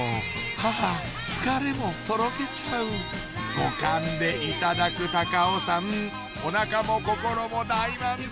はぁ疲れもとろけちゃう五感でいただく高尾山お腹も心も大満足！